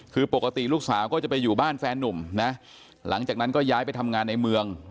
คือปกติลูกสาวก็จะไปอยู่บ้านแฟนนุ่มนะหลังจากนั้นก็ย้ายไปทำงานในเมือง